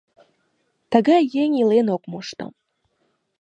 Тыгай еҥ илен ок мошто».